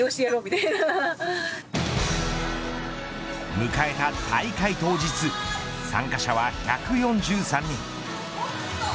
迎えた大会当日参加者は１４３人。